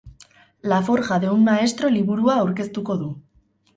La forja de un maestro liburua aurkeztuko du.